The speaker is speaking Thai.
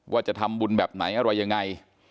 ว่าจะทำบุญแบบไหนอะไรยังไง